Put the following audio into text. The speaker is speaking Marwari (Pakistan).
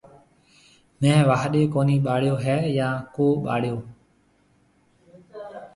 ميه واهڏيَ ڪوني ٻاݪيو هيَ يا ڪو ٻاݪيو۔